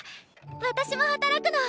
私も働くの！